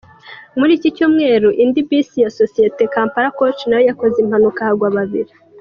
Muri iki cyumweru indi bisi ya sosiyete Kampala Coach nayo yakoze impanuka hagwa babiri.